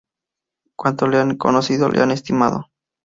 Cuantos le han conocido, le han estimado.